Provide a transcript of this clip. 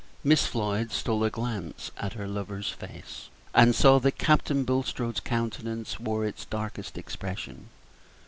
Miss Floyd stole a glance at her lover's face, and saw that Captain Bulstrode's countenance wore its darkest expression.